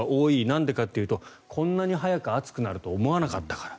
なんでかというとこんなに早く暑くなると思わなかったから。